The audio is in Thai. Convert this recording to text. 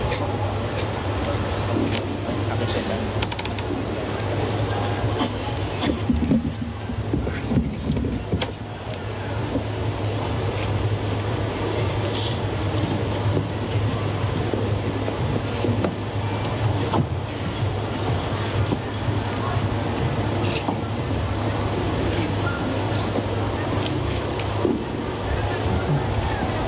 สุดท้ายสุดท้ายสุดท้าย